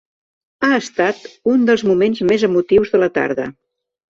Ha estat un dels moments més emotius de la tarda.